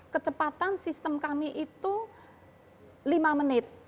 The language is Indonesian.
kecepatan sistem kami itu lima menit